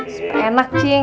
supaya enak incing